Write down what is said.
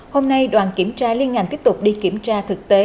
hôm nay đoàn kiểm tra liên ngành tiếp tục đi kiểm tra thực tế